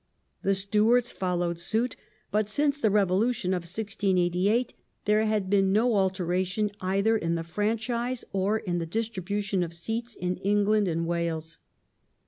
The Stuarts followed suit, but since the Revolution of 1688 there had been no alteration either in the franchise or in the distribution of seats in England and Wales.